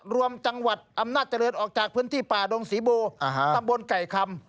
รวมจังหวัดอำนาจเจริญออกจากพื้นที่ป่าดงศรีโบตำบลไก่คำ